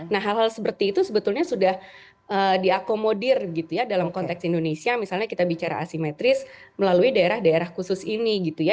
nah hal hal seperti itu sebetulnya sudah diakomodir gitu ya dalam konteks indonesia misalnya kita bicara asimetris melalui daerah daerah khusus ini gitu ya